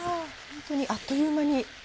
本当にあっという間に。